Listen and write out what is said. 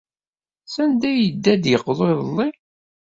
Sanda ay yedda ad d-yeqḍu iḍelli?